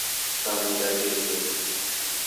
彈幕在這邊